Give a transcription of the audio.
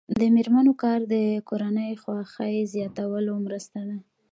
د میرمنو کار د کورنۍ خوښۍ زیاتولو مرسته ده.